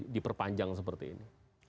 diperpanjang seperti ini